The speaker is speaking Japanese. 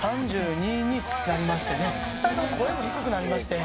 ２人とも声も低くなりまして。